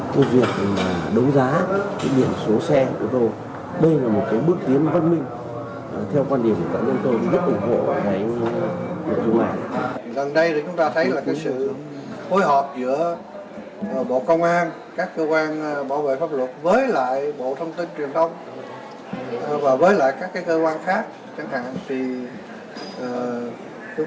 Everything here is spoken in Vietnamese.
tại công an có thể thấy sự hối hợp giữa bộ công an các cơ quan bảo vệ pháp luật với lại bộ thông tin truyền thông